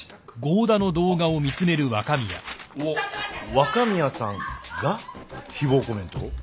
若宮さんが誹謗コメントを？